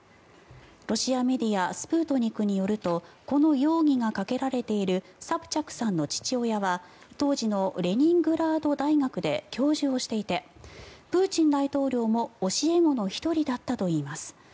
ロシアメディアスプートニクによるとこの容疑がかけられているサプチャクさんの父親は当時のレニングラード大学で教授をしていてプーチン大統領も教え子の１人だったといいます。